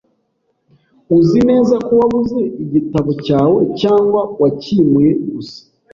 Uzi neza ko wabuze igitabo cyawe, cyangwa wacyimuye gusa?